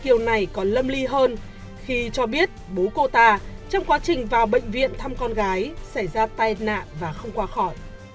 điều này còn lâm ly hơn khi cho biết bố cô ta trong quá trình vào bệnh viện thăm con gái xảy ra tai nạn và không qua khỏi